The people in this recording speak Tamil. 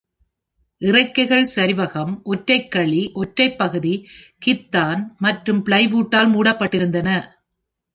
இறக்கைகள் சரிவகம், ஒற்றை - கழி, ஒற்றை பகுதி, கித்தான் மற்றும் பிளைவுட்டால் மூடப்பட்டிருந்தன.